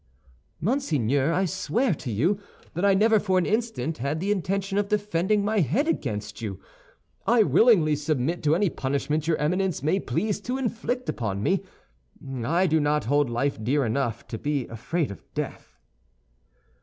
"Monseigneur, I swear to you that I never for an instant had the intention of defending my head against you. I willingly submit to any punishment your Eminence may please to inflict upon me. I do not hold life dear enough to be afraid of death."